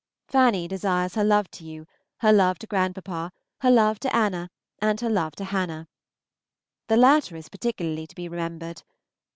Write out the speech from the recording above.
Fanny desires her love to you, her love to grandpapa, her love to Anna, and her love to Hannah; the latter is particularly to be remembered.